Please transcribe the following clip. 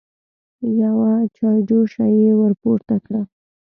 يوه چايجوشه يې ور پورته کړه.